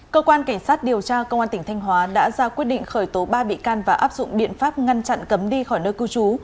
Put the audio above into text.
cơ quan cảnh sát điều tra công an tỉnh thanh hóa đã ra quyết định khởi tố ba bị can và áp dụng biện pháp ngăn chặn cấm đi khỏi nơi cư trú